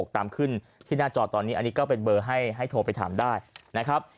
ตามขึ้นที่หน้าจอตอนนี้อันนี้ก็เป็นเบอร์ให้โทรไปถามได้นะครับ